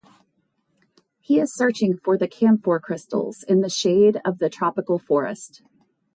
He is searching for the camphor crystals in the shade of the tropical forest.